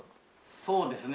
そうですね。